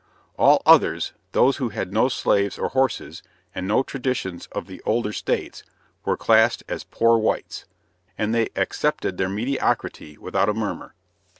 All others those who had no slaves or horses, and no traditions of the older states were classed as "poor whites"; and they accepted their mediocrity without a murmur.